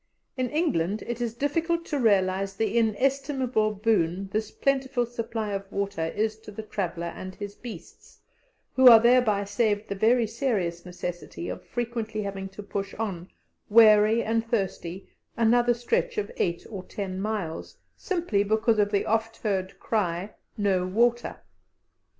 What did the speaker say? In England it is difficult to realize the inestimable boon this plentiful supply of water is to the traveller and his beasts, who are thereby saved the very serious necessity of frequently having to push on, weary and thirsty, another stretch of eight or ten miles, simply because of the oft heard cry, "No water."